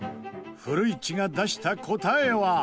古市が出した答えは？